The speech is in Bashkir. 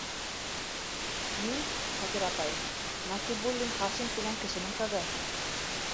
Мин, Шакира апай, Насибуллин Хашим тигән кешенең ҡыҙы.